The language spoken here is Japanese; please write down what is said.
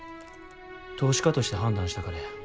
投資家として判断したからや。